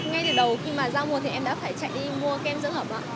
ngay từ đầu khi mà ra mùa thì em đã phải chạy đi mua kem dưỡng hợp ạ